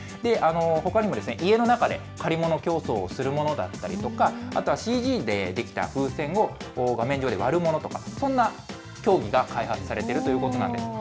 ほかにも、家の中で借り物競争をするものだったりとか、あとはＣＧで出来た風船を画面上で割るものとか、そんな競技が開発されているということなんです。